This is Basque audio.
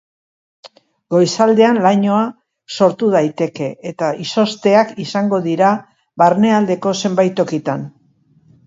Goizaldean lainoa sortu daiteke eta izozteak izango dira barnealdeko zenbait tokitan.